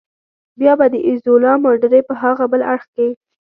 بیا به د ایزولا ماډرې په هاغه بل اړخ کې.